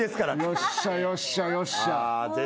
よっしゃよっしゃよっしゃ。